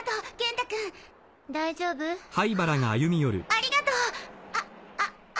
ありがとう！ああ哀。